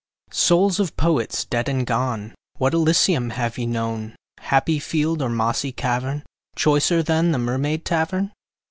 Souls of Poets dead and gone, What Elysium have ye known, Happy field or mossy cavern, Choicer than the Mermaid Tavern?